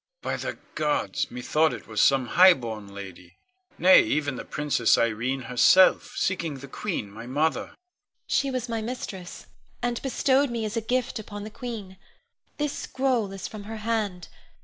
By the gods! methought it was some highborn lady, nay, even the Princess Irene herself, seeking the queen, my mother. Ione. She was my mistress, and bestowed me as a gift upon the queen. This scroll is from her hand.